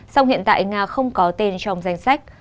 song hiện tại nga không có tên trong danh sách